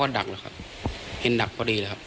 ดักแล้วครับเห็นดักพอดีเลยครับ